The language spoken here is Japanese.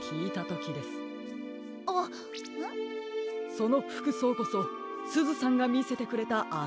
そのふくそうこそすずさんがみせてくれたあのしゃしん。